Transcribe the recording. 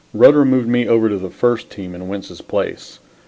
Rutter moved me over to the first team in Wentz's place.